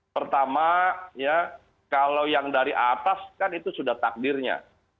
pertama ya kalau yang dari atas kan itu sudah takdirnya